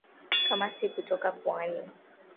Kamasi kutoka puani